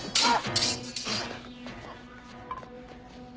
あっ！